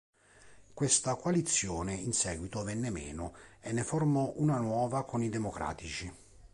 Questa coalizione in seguito venne meno e ne formò una nuova con i Democratici.